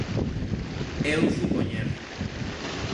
É un supoñer.